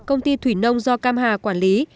công ty thủy nông do cam hà quản lý